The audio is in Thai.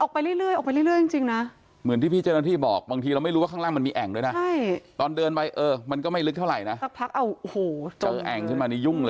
ขอแค่นี้ครับฟรีด้วยฟรีด้วยครับ